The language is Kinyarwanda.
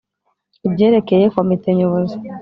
Ibyerekeye Komite Nyobozi.